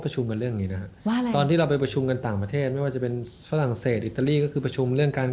จริงหรือเปล่า